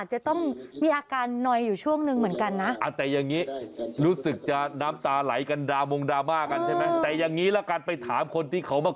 จำได้ไหมพี่ดาราคุณน้ำและผีพัด